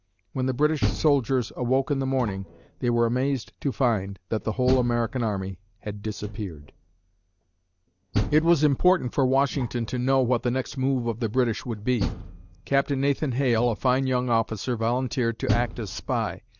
When the British soldiers awoke in the morning, they were amazed to find that the whole American army had disappeared! [Illustration: Nathan Hale] It was important for Washington to know what the next move of the British would be. Captain Nathan Hale, a fine young officer, volunteered to act as spy.